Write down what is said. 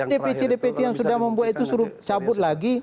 dpc dpc yang sudah membuat itu suruh cabut lagi